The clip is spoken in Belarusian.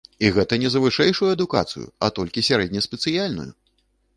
І гэта не за вышэйшую адукацыю, а толькі сярэднеспецыяльную!